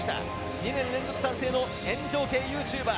２年連続参戦の炎上系ＹｏｕＴｕｂｅｒ。